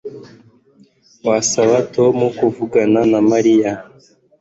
Wasaba Tom kuvugana na Mariya